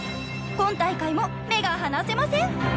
今大会も目が離せません！